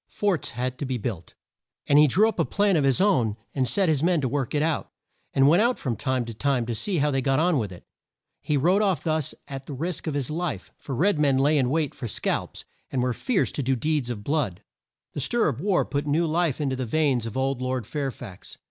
Forts had to be built, and he drew up a plan of his own and set men to work it out, and went out from time to time to see how they got on with it. He rode off thus at the risk of his life, for red men lay in wait for scalps, and were fierce to do deeds of blood. The stir of war put new life in to the veins of old Lord Fair fax.